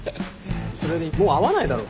それにもう会わないだろ。